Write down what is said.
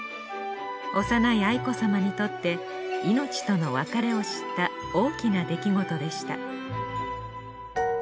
幼い愛子さまにとって命との別れを知った大きな出来事でした